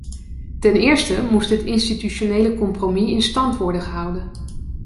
Ten eerste moest het institutionele compromis in stand worden gehouden.